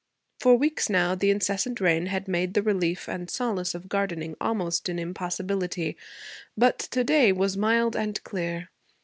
For weeks now the incessant rain had made the relief and solace of gardening almost an impossibility; but to day was mild and clear.